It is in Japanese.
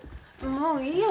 もういいよ。